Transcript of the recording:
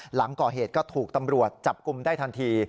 หลังก่อเหตุก็ถูกตำรวจจับกลุ่มได้ทันที